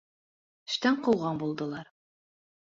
Эштән ҡыуған булдылар.